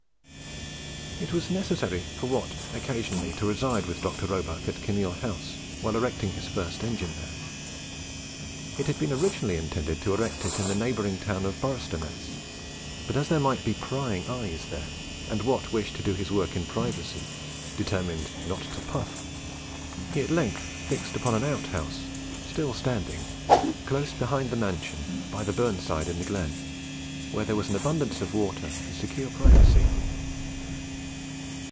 It was necessary for Watt occasionally to reside with Dr. Roebuck at Kinneil House while erecting his first engine there. It had been originally intended to erect it in the neighbouring town of Boroughstoness, but as there might be prying eyes there, and Watt wished to do his work in privacy, determined "not to puff," he at length fixed upon an outhouse still standing, close behind the mansion, by the burnside in the glen, where there was abundance of water and secure privacy.